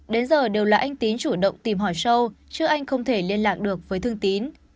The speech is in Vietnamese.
đến giờ đều là anh tín chủ động tìm hiểu sâu chứ anh không thể liên lạc được với thương tín